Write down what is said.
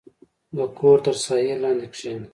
• د کور تر سایې لاندې کښېنه.